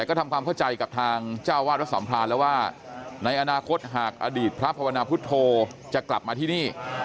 ก็อาจจะกราบพระธุ์ก็ได้